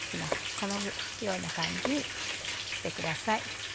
このような感じにしてください。